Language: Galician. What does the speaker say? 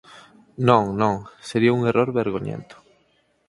Non! Non! Sería un error vergoñento.